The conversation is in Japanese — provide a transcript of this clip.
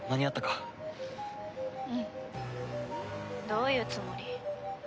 どういうつもり？